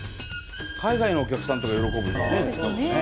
海外のお客さんとか喜ぶよね。